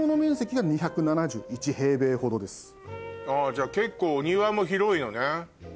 じゃあ結構お庭も広いのね。